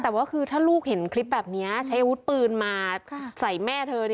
แต่ว่าคือถ้าลูกเห็นคลิปแบบนี้ใช้อาวุธปืนมาใส่แม่เธอ